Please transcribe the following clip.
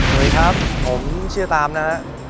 สวัสดีครับผมเชื่อตามนะฮะ